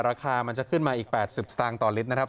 ราคามันจะขึ้นมาอีก๘๐สตางค์ต่อลิตรนะครับ